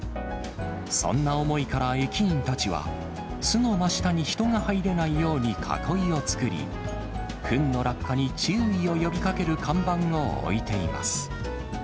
そんな思いから駅員たちは、巣の真下に人が入れないように囲いを作り、ふんの落下に注意を呼びかける看板を置いています。